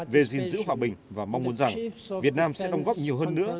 về gìn giữ hòa bình và mong muốn rằng việt nam sẽ đóng góp nhiều hơn nữa